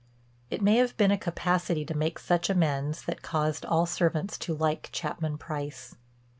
It may have been a capacity to make such amends that caused all servants to like Chapman Price.